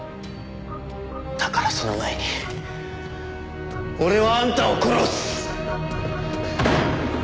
だからその前に俺はあんたを殺す！